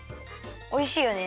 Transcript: おいしいよね。